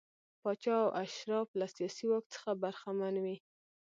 پاچا او اشراف له سیاسي واک څخه برخمن وي.